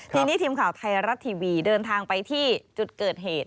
ทีนี้ทีมข่าวไทยรัฐทีวีเดินทางไปที่จุดเกิดเหตุ